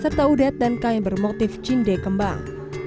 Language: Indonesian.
serta udet dan kain bermotif cinde kembang